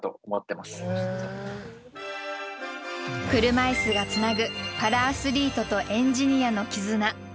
車いすがつなぐパラアスリートとエンジニアの絆。